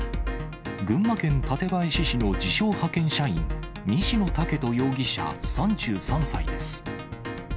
群馬県館林市の自称派遣社員、西野豪人容疑者３３歳です。